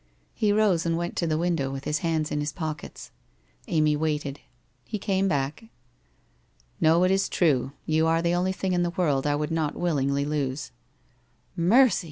He rose and went to the window with his hands in his pockets. Amy waited. He came back. ' Xo, it is true, you are the only thing in the world I would not willingly lose.' 1 Mercy